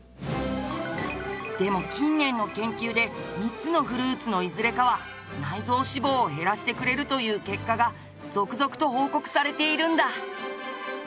でも近年の研究で３つのフルーツのいずれかは内臓脂肪を減らしてくれるという結果が続々と報告されているんだ！